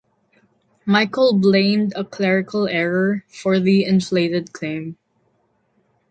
Michael blamed a "clerical error" for the inflated claim.